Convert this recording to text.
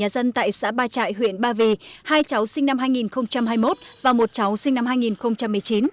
nhà dân tại xã ba trại huyện ba vì hai cháu sinh năm hai nghìn hai mươi một và một cháu sinh năm hai nghìn một mươi chín